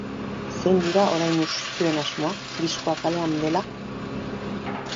Zein dira orain zuen asmoak, diskoa kalean dela?